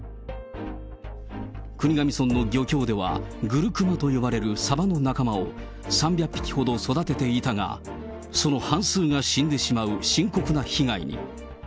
国頭村の漁協では、グルクマと呼ばれるサバの仲間を３００匹ほど育てていたが、その半数が死んでしまう深刻な被害に。